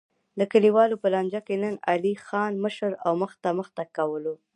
د کلیوالو په لانجه کې نن علی ځان مشر او مخته مخته کولو.